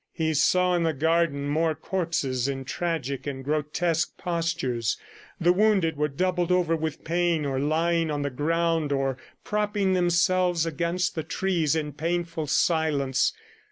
He saw in the garden more corpses in tragic and grotesque postures. The wounded were doubled over with pain or lying on the ground or propping themselves against the trees in painful silence.